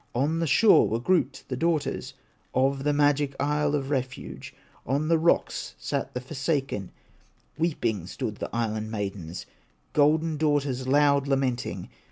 On the shore were grouped the daughters Of the magic Isle of Refuge, On the rocks sat the forsaken, Weeping stood the island maidens, Golden daughters, loud lamenting.